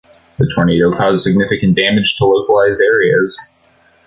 The tornado caused significant damage to localized areas.